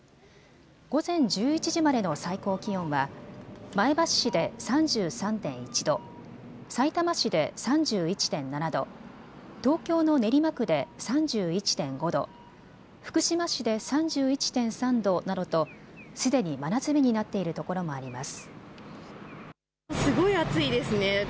午前１１時までの最高気温は前橋市で３３．１度、さいたま市で３１．７度、東京の練馬区で３１．５度、福島市で３１．３度などとすでに真夏日になっているところもあります。